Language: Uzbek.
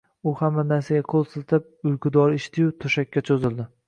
U hamma narsaga qo`l siltab uyqu dori ichdi-yu, to`shakka cho`zildi